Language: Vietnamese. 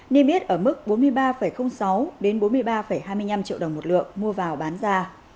niêm yết ở mức bốn mươi ba sáu bốn mươi ba hai mươi năm triệu đồng một lượng mua vào bán ra